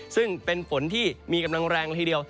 ซึ่งเป็นฝนที่มีกำลังแรงละทีเดียว